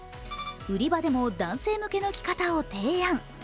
売り場でも男性向けの着方を提案。